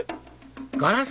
ガラス